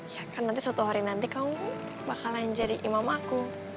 ya kan nanti suatu hari nanti kamu bakalan jadi imam aku